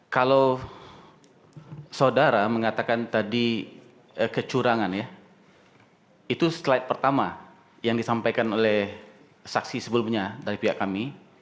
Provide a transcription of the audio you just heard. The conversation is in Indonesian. kalau saudara mengatakan tadi kecurangan ya itu slide pertama yang disampaikan oleh saksi sebelumnya dari pihak kami